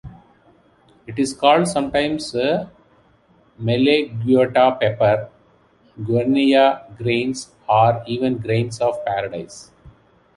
It is called sometimes Melegueta pepper, Guinea grains or even Grains of Paradise.